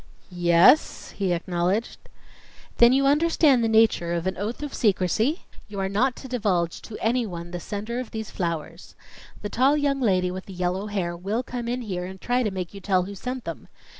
"Y yes," he acknowledged. "Then you understand the nature of an oath of secrecy? You are not to divulge to anyone the sender of these flowers. The tall young lady with the yellow hair will come in here and try to make you tell who sent them.